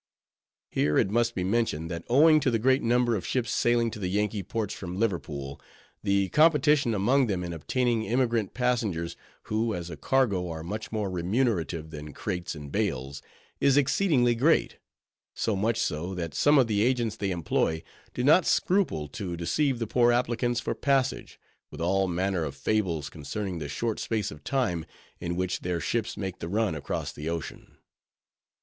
Here it must be mentioned, that owing to the great number of ships sailing to the Yankee ports from Liverpool, the competition among them in obtaining emigrant passengers, who as a cargo are much more remunerative than crates and bales, is exceedingly great; so much so, that some of the agents they employ, do not scruple to deceive the poor applicants for passage, with all manner of fables concerning the short space of time, in which their ships make the run across the ocean.